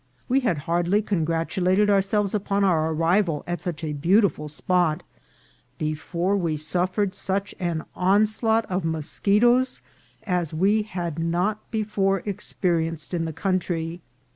We had hardly congratulated our selves upon our arrival at such a beautiful spot, before we suffered such an onslaught of moschetoes as we had not before experienced in the country.